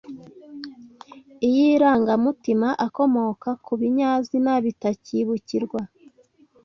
iy’irangamutima akomoka ku binyazina bitakibukirwa